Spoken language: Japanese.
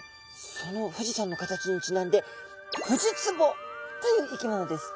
その富士山の形にちなんでフジツボという生き物です。